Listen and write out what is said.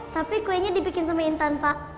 tapi kuenya dibikin sama intan pak